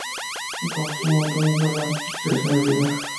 Me causó un montón de problemas posteriores en mi vida".